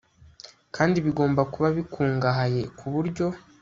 kandi bigomba kuba bikungahaye ku buryo